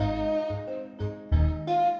kadang yang bisa jadi kurung